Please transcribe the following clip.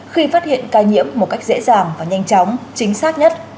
khi phát hiện ca nhiễm một cách dễ dàng và nhanh chóng chính xác nhất